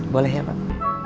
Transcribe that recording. boleh ya pak